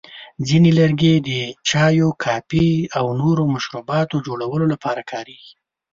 ځینې لرګي د چایو، کافي، او نورو مشروباتو جوړولو لپاره کارېږي.